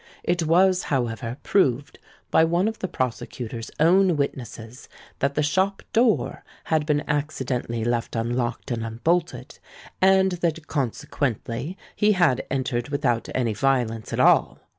It was, however, proved by one of the prosecutor's own witnesses that the shop door had been accidentally left unlocked and unbolted, and that consequently he had entered without any violence at all.